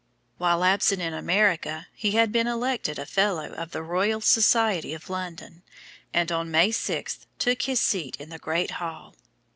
While absent in America, he had been elected a fellow of the Royal Society of London, and on May 6 took his seat in the great hall.